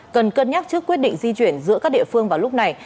cần cân nhắc trước quyết định di chuyển giữa các địa phương vào lúc này